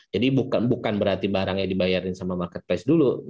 jadi bukan berarti barangnya dibayarkan oleh marketplace dulu